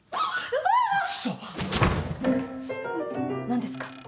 何ですか？